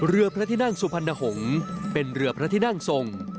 เรือพระที่นั่งสุพรรณหงษ์เป็นเรือพระที่นั่งทรง